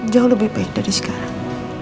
jauh lebih baik dari sekarang